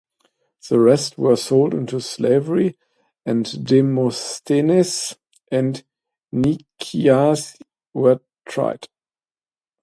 The rest were sold into slavery and Demosthenes and Nicias were tried.